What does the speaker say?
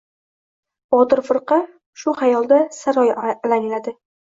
Botir firqa shu xayolda saroy alangladi.